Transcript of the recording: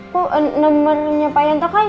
bu nomernya pak yanto kan